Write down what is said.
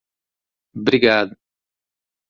Obrigado.